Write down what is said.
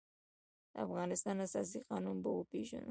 د افغانستان اساسي قانون به وپېژنو.